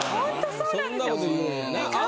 そうなんです。